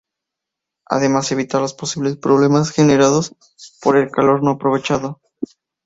Además evita los posibles problemas generados por el calor no aprovechado.